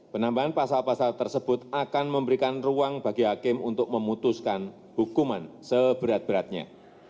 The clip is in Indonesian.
penambahan pasal pasal tersebut akan memberikan ruang bagi hakim untuk memutuskan hukuman seberat beratnya